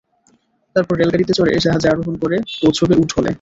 তারপর রেলগাড়িতে চরে জাহাজে আরোহণ করে পৌছুবো উড হলে।